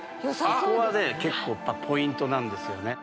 そこはね結構やっぱポイントなんですよね